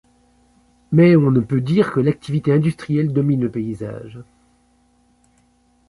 Mais on ne peut dire que l'activité industrielle domine le paysage.